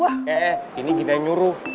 woh di kudang